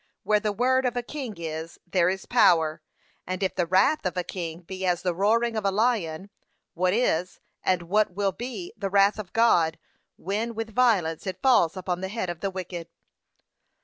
Where the word of a king is, there is power; and if the wrath of a king be as the roaring of a lion, what is, and what will be the wrath of God, when with violence it falls upon the head of the wicked?